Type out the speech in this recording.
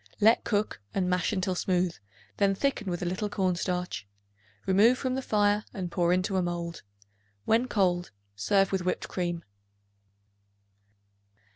Let cook and mash until smooth; then thicken with a little cornstarch. Remove from the fire and pour into a mold. When cold, serve with whipped cream.